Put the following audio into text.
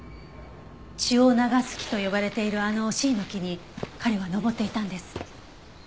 血を流す木と呼ばれているあのシイの木に彼は登っていたんです。